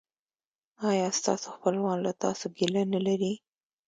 ایا ستاسو خپلوان له تاسو ګیله نلري؟